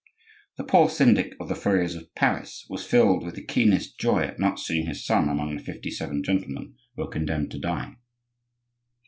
The poor syndic of the furriers of Paris was filled with the keenest joy at not seeing his son among the fifty seven gentlemen who were condemned to die.